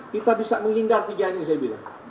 kita bisa menghindar tiga ini